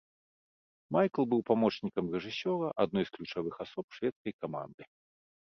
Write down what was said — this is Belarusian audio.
Майкл быў памочнікам рэжысёра, адной з ключавых асоб шведскай каманды.